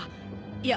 いや。